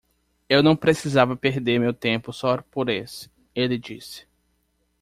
"Eu não precisava perder meu tempo só por esse?" ele disse.